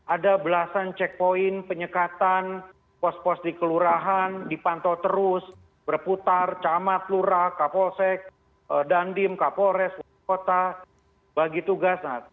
ada belasan checkpoint penyekatan pos pos di kelurahan dipantau terus berputar camat lurah kapolsek dandim kapolres kota bagi tugas